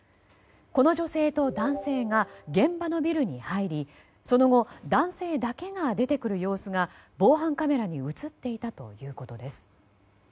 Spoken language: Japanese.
この女性と男性が現場のビルに入りその後、男性だけが出てくる様子が防犯カメラに映っていたということです。